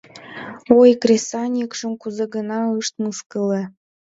Ой, кресаньыкшым кузе гына ышт мыскыле.